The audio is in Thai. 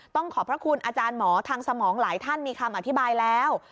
ขอบพระคุณอาจารย์หมอทางสมองหลายท่านมีคำอธิบายแล้ว